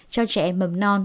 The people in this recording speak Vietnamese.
cho trẻ mầm non